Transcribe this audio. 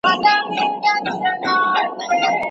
نن په سپینه ورځ درځمه بتخانې چي هېر مي نه کې